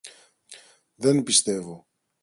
Δεν πιστεύω.